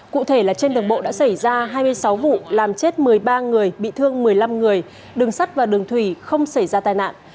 cụ thể là trên đường bộ đã xảy ra hai mươi sáu vụ làm chết một mươi ba người bị thương một mươi năm người đường sắt và đường thủy không xảy ra tai nạn